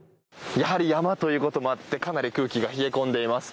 やはり山ということもあってかなり空気が冷え込んでいます。